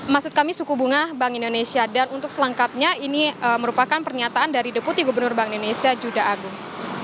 maksud kami suku bunga bank indonesia dan untuk selengkapnya ini merupakan pernyataan dari deputi gubernur bank indonesia juda agung